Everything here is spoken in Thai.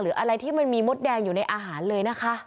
อะไรที่มันมีมดแดงอยู่ในอาหารเลยนะคะ